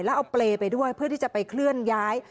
แล้วเอาเปรย์ไปด้วยเพื่อที่จะไปเคลื่อนย้าย